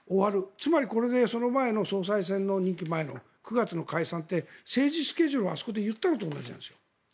つまりこれでその前の総裁選、任期前の９月の解散って政治スケジュールをあそこで言ったのと同じなんですよ。